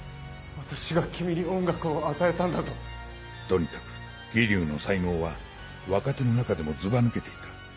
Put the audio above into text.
私が君に音楽を与えたんだぞとにかく霧生の才能は若手の中でもずば抜けていた。